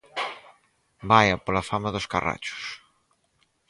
Vaia pola fame dos carrachos!